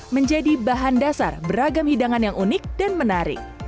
menjadi bahan dasar beragam hidangan yang unik dan menarik